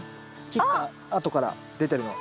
切ったあとから出てるの。